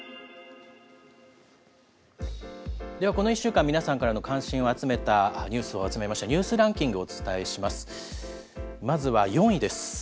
ではこの１週間、皆さんからの関心を集めたニュースを集めました、ニュースランキングをお伝えします。